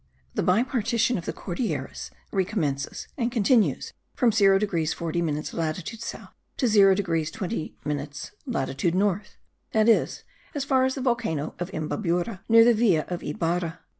The bipartition of the Cordilleras re commences and continues from 0 degrees 40 minutes latitude south to 0 degrees 20 minutes latitude north; that is, as far as the volcano of Imbabura near the villa of Ibarra.